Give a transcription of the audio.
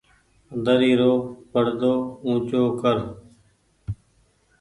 دري رو پڙدو اونچو ڪر۔